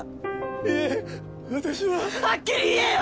いえ私ははっきり言えよ！